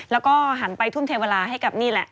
แล้วก็หันไปทุ่มเทเวลาให้กับนี่แหละ